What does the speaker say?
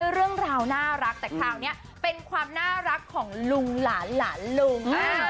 เรื่องราวน่ารักแต่คราวนี้เป็นความน่ารักของลุงหลานหลานลุง